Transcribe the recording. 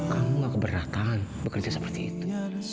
kamu gak keberatan bekerja seperti itu